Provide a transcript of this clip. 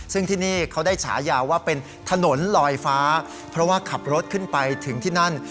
ซึ่งที่นี่เขาได้ฉายาว่าเป็นถนนลอยฟ้าเพราะว่าขับรถขึ้นไปถึงที่นั่น